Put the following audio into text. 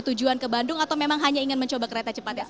tujuan ke bandung atau memang hanya ingin mencoba kereta cepat